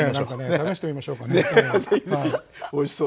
試してみましょうかね。